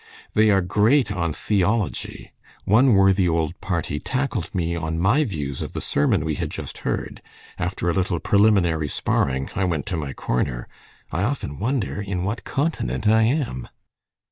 They are great on theology. One worthy old party tackled me on my views of the sermon we had just heard; after a little preliminary sparring I went to my corner. I often wonder in what continent I am.